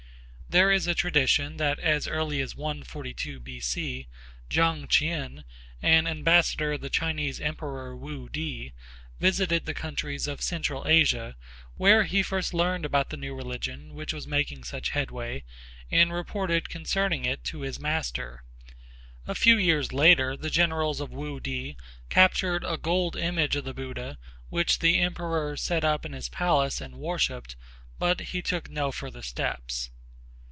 There is a tradition that as early as 142 B.C. Chang Ch'ien, an ambassador of the Chinese emperor, Wu Ti, visited the countries of central Asia, where he first learned about the new religion which was making such headway and reported concerning it to his master. A few years later the generals of Wu Ti captured a gold image of the Buddha which the emperor set up in his palace and worshiped, but he took no further steps.